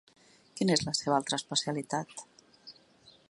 Quina és la seva altra especialitat?